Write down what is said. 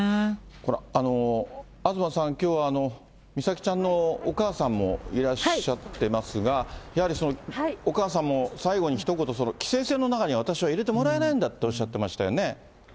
これ、東さん、きょうは美咲ちゃんのお母さんもいらっしゃってますが、やはりお母さんも、最後にひと言、規制線の中に私は入れてもらえないんだっておっしゃってましたよ